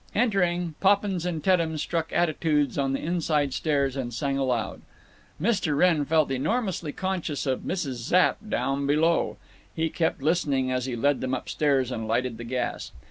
Entering, Poppins and Teddem struck attitudes on the inside stairs and sang aloud. Mr. Wrenn felt enormously conscious of Mrs. Zapp down below. He kept listening, as he led them up stairs and lighted the gas.